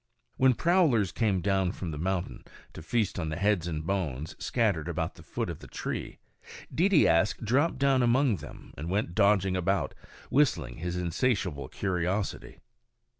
When prowlers came down from the mountain to feast on the heads and bones scattered about the foot of the tree, Deedeeaskh dropped down among them and went dodging about, whistling his insatiable curiosity.